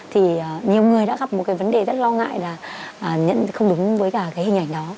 thì nhiều người đã gặp một vấn đề rất lo ngại là không đúng với cả